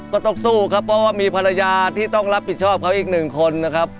ก็ต้องสู้ครับเพราะว่ามีภรรยาที่ต้องรับผิดชอบเขาอีกหนึ่งคนนะครับ